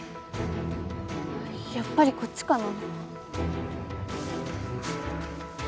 やっぱりこっちかな。